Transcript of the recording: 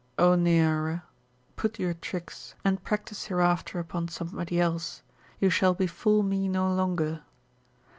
O Neaera, put your tricks, and practise hereafter upon somebody else, you shall befool me no longer.